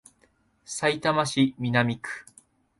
さいたま市南区